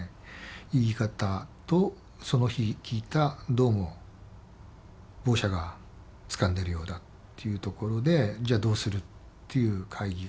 言い方とその日聞いたどうも某社がつかんでるようだというところでじゃあどうするっていう会議が。